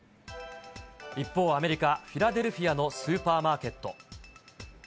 一方、アメリカ・フィラデルフィアのスーパーマーケット。